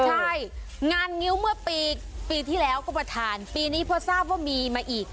ใช่งานงิ้วเมื่อปีที่แล้วก็ประธานปีนี้พอทราบว่ามีมาอีก